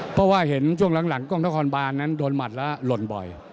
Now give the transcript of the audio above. เพราะว่าเห็นช่วงหลังกล้องนครบานนั้นโดนหมัดแล้วหล่นบ่อย